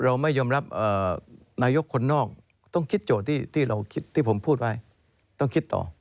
เราไม่ยอมรับนายกคนนอกต้องคิดโจทย์ที่เราคิดที่ผมพูดไว้ต้องคิดต่อ